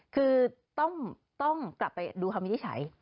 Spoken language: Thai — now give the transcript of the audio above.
คือต้องกลับไปดูคำวิทย์ที่ใช้